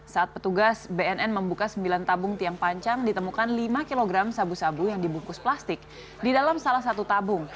saat petugas bnn membuka sembilan tabung tiang pancang ditemukan lima kg sabu sabu yang dibungkus plastik di dalam salah satu tabung